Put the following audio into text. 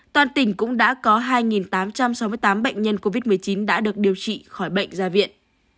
toàn tỉnh cũng đã có hai tám trăm sáu mươi tám bệnh nhân covid một mươi chín đã được điều trị khỏi bệnh ra viện